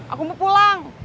aku mau pulang